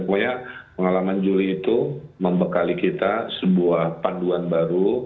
pokoknya pengalaman juli itu membekali kita sebuah panduan baru